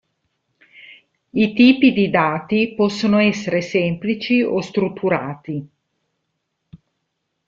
I tipi di dati possono essere semplici o strutturati.